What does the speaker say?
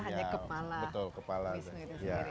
hanya kepala wisnu itu sendiri